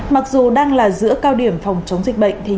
mặc dù đang là giữa cao điểm phòng chống dịch bệnh